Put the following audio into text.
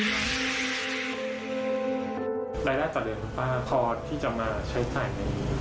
ได้รายได้จากเดือนของป้าพอที่จะมาใช้สายไหน